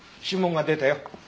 指紋が出たよ。